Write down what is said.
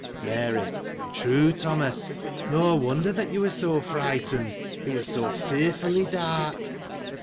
Mary. — True, Thomas, no wonder that you were so frighten ed, it was so fearfully dark